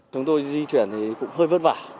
chúng tôi di chuyển thì cũng hơi vất vả